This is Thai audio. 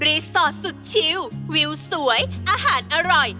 สอดสุดชิววิวสวยอาหารอร่อย